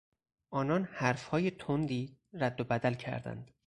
آنان حرفهای تندی ردوبدل کردند.